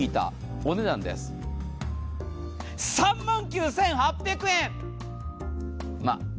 お値段３万９８００円。